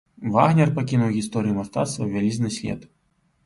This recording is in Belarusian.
Вагнер пакінуў у гісторыі мастацтва вялізны след.